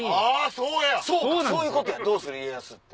そうかそういうことや『どうする家康』って。